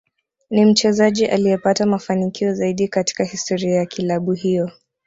Ni mchezaji aliyepata mafanikio zaidi katika historia ya kilabu hiyo